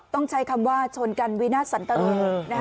ต้องใช้คำว่าชนกันวีนาสันตะโลนะฮะ